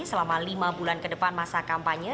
selama lima bulan kedepan masa kampanye